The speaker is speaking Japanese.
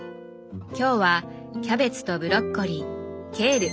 今日はキャベツとブロッコリーケール。